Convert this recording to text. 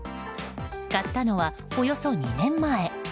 買ったのは、およそ２年前。